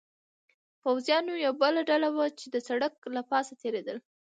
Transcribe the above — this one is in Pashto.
پوځیانو یوه بله ډله وه، چې د سړک له پاسه تېرېدل.